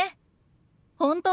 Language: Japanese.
本当？